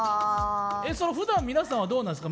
ふだん皆さんはどうなんですか？